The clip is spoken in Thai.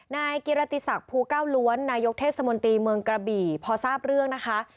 นายกิรติศักดิ์ภูเก้าล้วนนายกเทศมนตรีเมืองกระบี่พอทราบเรื่องนะคะ